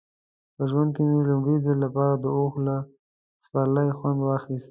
په ژوند کې مې د لومړي ځل لپاره د اوښ له سپرلۍ خوند واخیست.